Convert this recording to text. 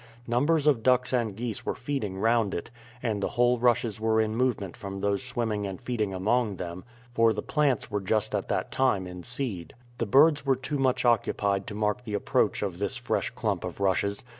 Numbers of ducks and geese were feeding round it, and the whole rushes were in movement from those swimming and feeding among them, for the plants were just at that time in seed. The birds were too much occupied to mark the approach of this fresh clump of rushes.